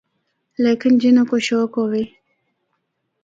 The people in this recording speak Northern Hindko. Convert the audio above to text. لیکن جنّا کو شوق ہوّے۔